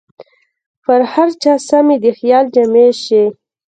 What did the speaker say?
پر هر چا سمې د خیال جامې شي